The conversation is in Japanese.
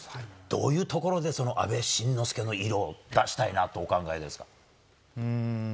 どういうところでその阿部慎之助の色を出したいなとお考えですか。